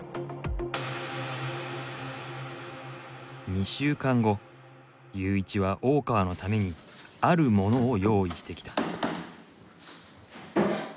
２週間後ユーイチは大川のためにある物を用意してきた。